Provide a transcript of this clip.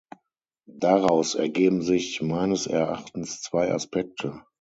Daraus ergeben sich meines Erachtens zwei Aspekte.